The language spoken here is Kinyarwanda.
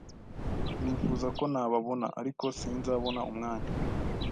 Nifuza ko nababona, ariko sinzabona umwanya.